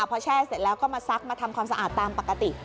พอแช่เสร็จแล้วก็มาซักมาทำความสะอาดตามปกติ